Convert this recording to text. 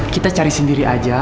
kita cari sendiri aja